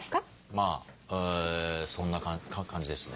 まぁそんな感じですね。